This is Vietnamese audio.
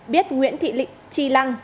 biết nguyễn thị lịnh tri lăng